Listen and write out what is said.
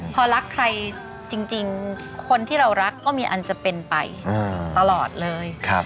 พอรักใครจริงคนที่เรารักก็มีอันจะเป็นไปตลอดเลย